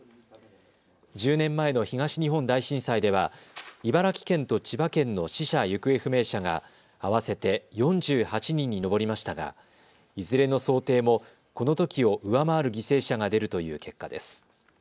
１０年前の東日本大震災では茨城県と千葉県の死者・行方不明者が合わせて４８人に上りましたがいずれの想定もこのときを上回る犠牲者が出るという結果です。